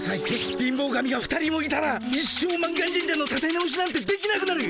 貧乏神が２人もいたら一生満願神社のたて直しなんてできなくなる！